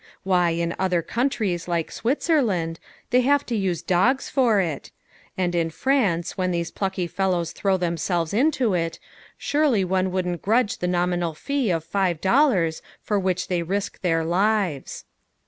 Why, in other countries, like Switzerland, they have to use dogs for it, and in France, when these plucky fellows throw themselves into it, surely one wouldn't grudge the nominal fee of five dollars for which they risk their lives.